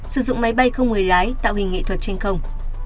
sử dụng máy bay không người lái tạo hình nghệ thuật trên không